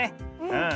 うん。